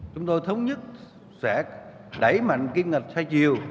chúng tôi thống nhất sẽ đẩy mạnh kinh ngạch thay chiều